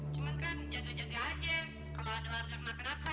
cuma kan jaga jaga aja kalau ada harga kenapa napa